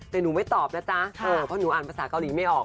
แต่หนูไม่ตอบนะจ๊ะเพราะหนูอ่านภาษาเกาหลีไม่ออก